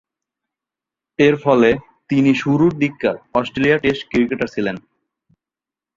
এরফলে তিনি শুরুর দিককার অস্ট্রেলিয়ার টেস্ট ক্রিকেটার ছিলেন।